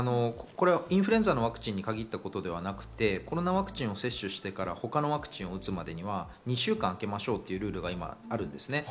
インフルエンザのワクチンに限ったことではなくて、コロナワクチンを接種してから他のワクチン打つまでには２週あけましょうというルールがあります。